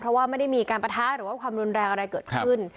เพราะว่าไม่ได้มีการปะทะหรือว่าความรุนแรงอะไรเกิดขึ้น